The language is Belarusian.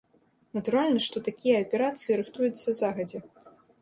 Натуральна, што такія аперацыі рыхтуюцца загадзя.